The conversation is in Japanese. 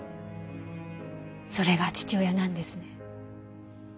それが父親なんですね。